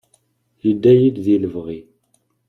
Yedda-yi-d di lebɣi.